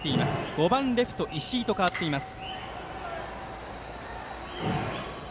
５番レフト、石井と代わっています。